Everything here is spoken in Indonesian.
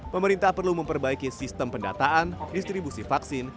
pemerintah perlu memperbaiki sistem pendataan distribusi vaksin